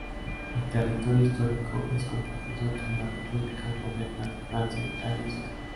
El territorio histórico es compartido entre las repúblicas modernas de Francia, Italia y Suiza.